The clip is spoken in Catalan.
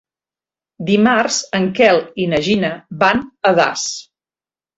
Dimarts en Quel i na Gina van a Das.